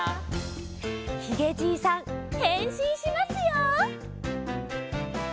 ひげじいさんへんしんしますよ！